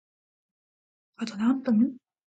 あと何分？